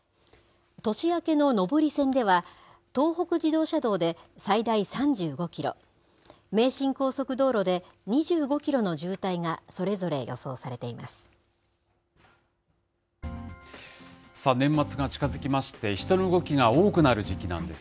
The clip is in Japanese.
年明けの上り線では、東北自動車道で最大３５キロ、名神高速道路で２５キロの渋滞がそれぞれ予想されています。